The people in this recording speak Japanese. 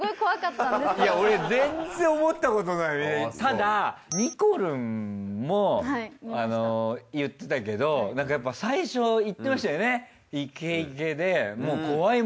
ただにこるんも言ってたけどなんかやっぱ最初言ってましたよね。